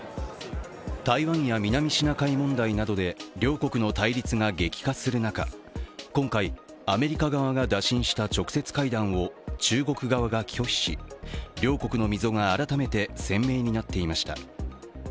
台湾や南シナ海問題などで両国の対立が激化する中、今回、アメリカ側が打診した直接会談は中国側が拒否し両国の溝が改めて鮮明になっていました。